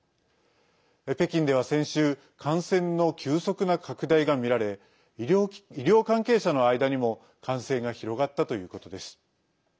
北京では先週感染の急速な拡大が見られ医療関係者の間にも感染が広がったということです。